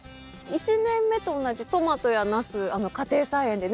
１年目と同じトマトやナス家庭菜園でね